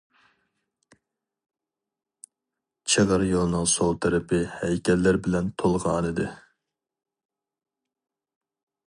چىغىر يولنىڭ سول تەرىپى ھەيكەللەر بىلەن تولغانىدى.